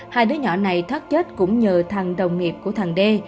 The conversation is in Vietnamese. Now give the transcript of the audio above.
hai đứa nhỏ này thất chết cũng nhờ thằng đồng nghiệp của thằng đê